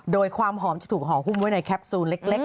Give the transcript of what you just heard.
โดยความหอมจะถูกห่อหุ้มไว้ในแคปซูลเล็ก